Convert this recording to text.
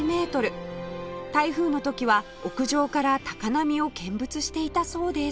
台風の時は屋上から高波を見物していたそうです